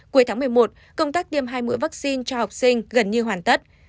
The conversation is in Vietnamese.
cuối tháng một mươi một công tác tiêm hai mũi vaccine cho học sinh gần như hoàn tất